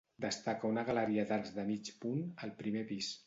Destaca una galeria d'arcs de mig punt al primer pis.